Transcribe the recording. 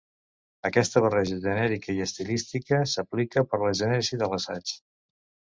Aquesta barreja genèrica i estilística s'explica per la gènesi de l'assaig.